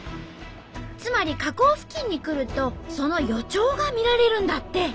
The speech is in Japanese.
つまり河口付近に来るとその予兆が見られるんだって。